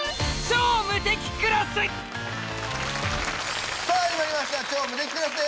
『超無敵クラス』です。